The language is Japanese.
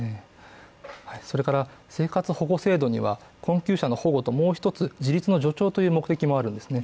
それから、生活保護制度には困窮者の保護ともう１つ自立の助長という目的もあるんですね。